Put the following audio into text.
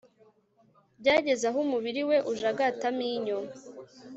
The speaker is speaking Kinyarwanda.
byageze aho umubiri we ujagatamo inyo